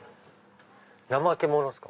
ナマケモノですか？